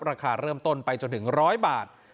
ราคาเริ่มต้นไปจนถึง๑๐๐บาท